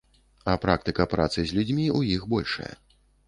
А практыка працы з людзьмі ў іх большая.